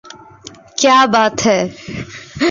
কেয়া বাত হ্যায়!